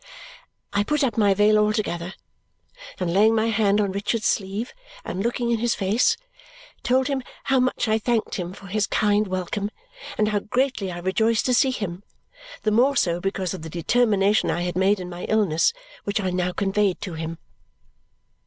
I put up my veil altogether, and laying my hand on Richard's sleeve and looking in his face, told him how much I thanked him for his kind welcome and how greatly I rejoiced to see him, the more so because of the determination I had made in my illness, which I now conveyed to him.